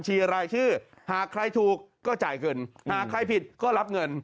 เนี่ยเขาเล่าให้ฟัง